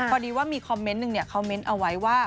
พอดีว่ามีคอมเมนต์หนึ่งเขาเม้นต์เอาไว้ว่า